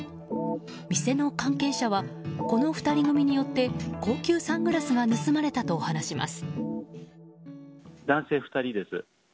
店の関係者はこの２人組によって高級サングラスが盗まれたと話します。